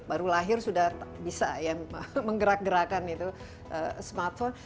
baru lahir sudah bisa ya menggerak gerakan itu smartphone